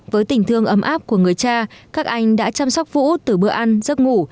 với tình thương ấm áp của người cha các anh đã chăm sóc vũ từ bữa ăn giấc ngủ